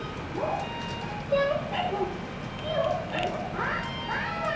あワンワン！